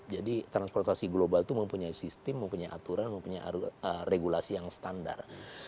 jadi transportasi global itu mempunyai sistem mempunyai aturan mempunyai regulasi yang standar